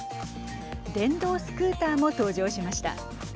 電動スクーターも登場しました。